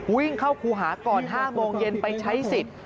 วิ่งเข้าครูหาก่อน๕โมงเย็นไปใช้สิทธิ์